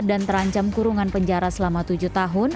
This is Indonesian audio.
dan terancam kurungan penjara selama tujuh tahun